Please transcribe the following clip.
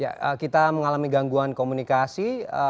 ya kita mengalami gangguan komunikasi